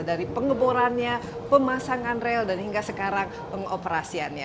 dari pengeborannya pemasangan rel dan hingga sekarang pengoperasiannya